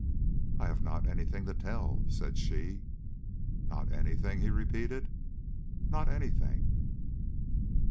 ] "I have not any thing to tell," said she. "Not any thing?" he repeated. "Not any thing."